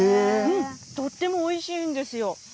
とってもおいしいんですよ。